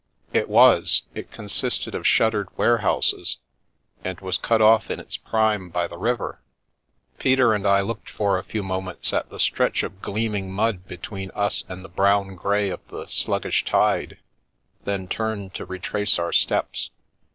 It was — it consisted of shuttered warehouses, and was cut off in its prime by the river. Peter and I looked for o The Milky Way a few moments at the stretch of gleaming mud between us and the brown grey of the sluggish tide, then turned to retrace our steps.